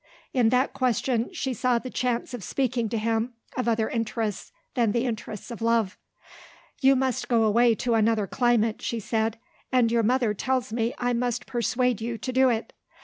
In that question she saw the chance of speaking to him of other interests than the interests of love. "You must go away to another climate," she said; "and your mother tells me I must persuade you to do it.